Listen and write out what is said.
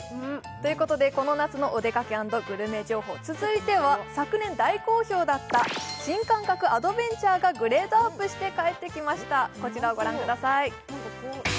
ということでこの夏のお出かけ＆グルメ情報、続いては昨年大好評だった、新感覚アドベンチャーがグレードアップして帰ってきました、こちらをご覧ください。